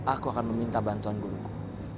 aku akan meminta bantuan guruku